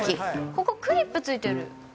ここクリップついてる。